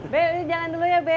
be lo jalan dulu ya be